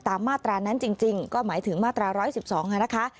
มาตรานั้นจริงก็หมายถึงมาตรา๑๑๒นะคะ